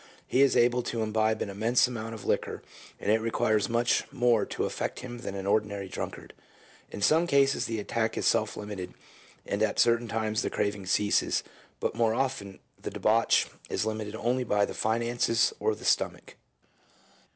He is able to imbibe an immense amount of liquor, and it requires much more to affect him than an ordinary drunkard. 2 In some cases the attack is self limited, and at a certain time the craving ceases; but more often the debauch is limited only by the finances or the stomach.